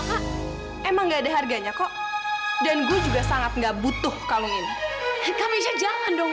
kak emang nggak ada harganya kok dan gue juga sangat nggak butuh kalau ini kamu jangan dong